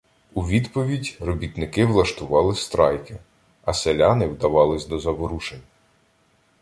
У відповідь робітники влаштовували страйки, а селяни вдавались до заворушень.